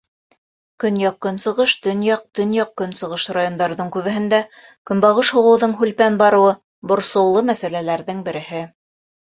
Көньяҡ-көнсығыш, төньяҡ, төньяҡ-көнсығыш райондарҙың күбеһендә көнбағыш һуғыуҙың һүлпән барыуы — борсоулы мәсьәләләрҙең береһе.